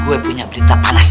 gue punya berita panas